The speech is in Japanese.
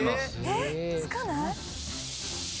「えっつかない？」